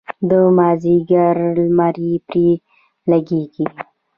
د مازدیګر لمر پرې لګیږي.